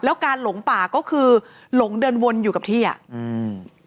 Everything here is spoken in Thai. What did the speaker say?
แล้วการหลงป่าก็คือหลงเดินวนอยู่กับที่อ่ะอืม